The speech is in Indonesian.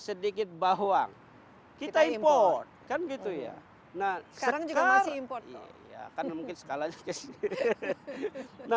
sedikit bawang kita import kan gitu ya nah sekarang juga masih import mungkin